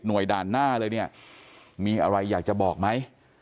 ด่านหน้าเลยเนี่ยมีอะไรอยากจะบอกไหม